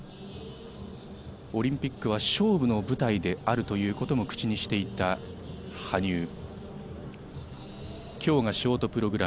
オリンピックは勝負の舞台であるということも口にしていた羽生。